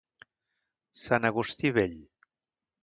Sant Agustí Vell.